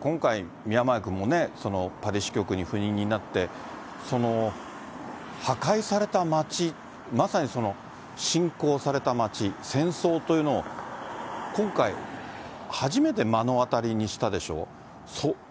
今回、宮前君もパリ支局に赴任になって、その破壊された街、まさに侵攻された街、戦争というのを今回、初めて目の当たりにしたでしょ？